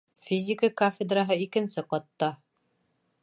Физика кафедраһы икенсе ҡатта.